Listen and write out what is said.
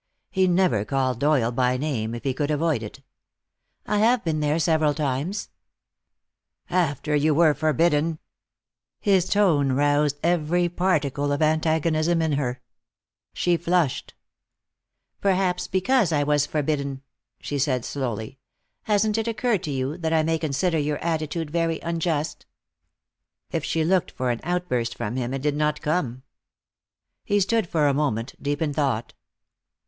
He never called Doyle by name if he could avoid it. "I have been there several times." "After you were forbidden?" His tone roused every particle of antagonism in her. She flushed. "Perhaps because I was forbidden," she said, slowly. "Hasn't it occurred to you that I may consider your attitude very unjust?" If she looked for an outburst from him it did not come. He stood for a moment, deep in thought.